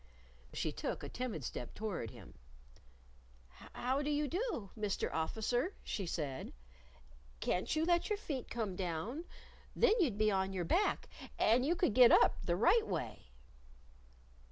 She took a timid step toward him. "How do you do, Mr. Officer," she said. "Can't you let your feet come down? Then you'd be on your back, and you could get up the right way."